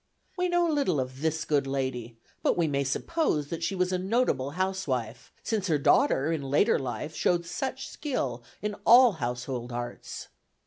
We know little of this good lady, but we may suppose that she was a notable housewife, since her daughter in later life showed such skill in all household arts.